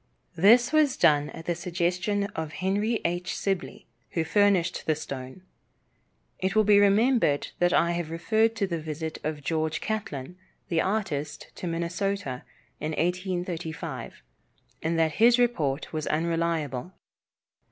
This was done at the suggestion of Henry H. Sibley, who furnished the stone. It will be remembered that I have referred to the visit of George Catlin, the artist, to Minnesota, in 1835, and that his report was unreliable.